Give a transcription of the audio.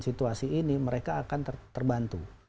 situasi ini mereka akan terbantu